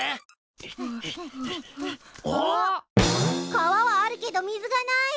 川はあるけど水がない！